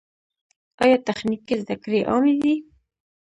آیا تخنیکي زده کړې عامې دي؟